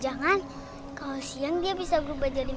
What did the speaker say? silahkan malah brands yang venir dua semua sudah jokingal